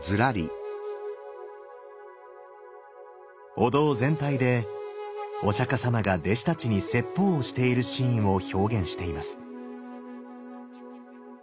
お堂全体でお釈様が弟子たちに説法をしているシーンを表現しています。